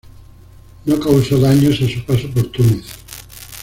No causo daños a su paso por Túnez.